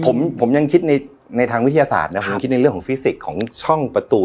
ผมผมยังคิดในทางวิทยาศาสตร์นะผมคิดในเรื่องของฟิสิกส์ของช่องประตู